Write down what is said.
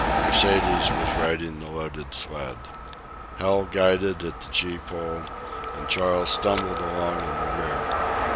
Mercedes was riding the loaded sled. Hal guided at the gee pole, and Charles stumbled along in the rear.